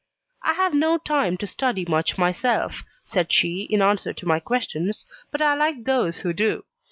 "I have no time to study much myself," said she, in answer to my questions; "but I like those who do.